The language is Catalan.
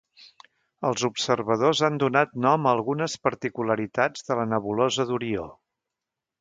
Els observadors han donat nom a algunes particularitats de la nebulosa d'Orió.